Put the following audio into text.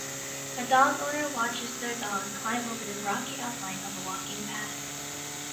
A dog owner watches their dog climb over the rocky outline of a walking path.